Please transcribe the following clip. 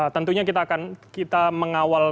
tentunya kita akan kita mengawal